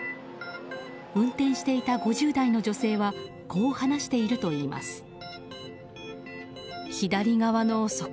運転していた５０代の女性はこう話しているといいます。